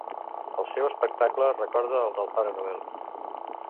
El seu aspecte recorda el del Pare Noel.